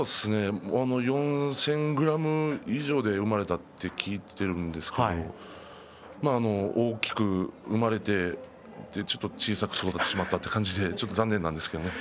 ４０００ｇ以上で生まれたと聞いているんですけれども大きく生まれて小さく育てしまったという感じでちょっと残念なんですけれど。